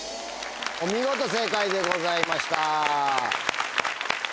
お見事正解でございました。